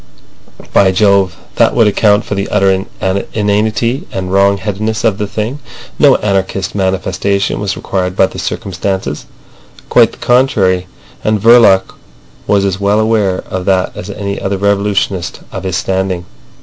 By Jove! that would account for the utter inanity and wrong headedness of the thing. No anarchist manifestation was required by the circumstances. Quite the contrary; and Verloc was as well aware of that as any other revolutionist of his standing.